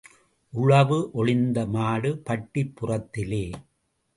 உழவு ஒழிந்த மாடு பட்டிப் புறத்திலே.